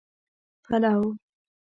پلو